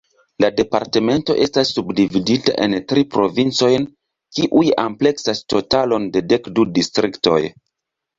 La departemento estas subdividita en tri provincojn, kiuj ampleksas totalon de dek du distriktoj.